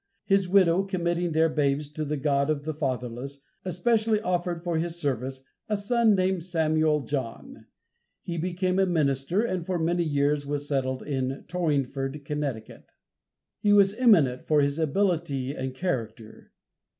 His widow, committing their babes to the God of the fatherless, especially offered for His service, a son named Samuel John. He became a minister, and for many years was settled in Torringford, Connecticut. He was eminent for his ability and character.